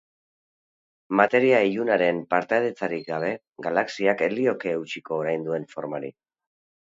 Materia ilunaren partaidetzarik gabe, galaxiak ez lioke eutsiko orain duen formari.